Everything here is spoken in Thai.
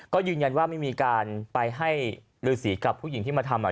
ก็ยืนยันว่าไม่มีการไปให้ฤษีกับผู้หญิงที่มาทำ